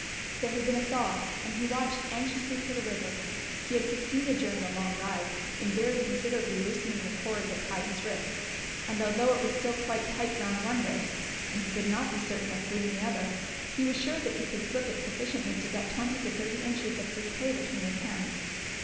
There had been a thaw and he watched anxiously for the river. He had succeeded during the long ride, in very considerably loosening the cord that tied his wrists, and although it was still quite tight round one wrist and he could not be certain of freeing the other, he was sure that he could slip it sufficiently to get twenty to thirty inches of free play between his hands.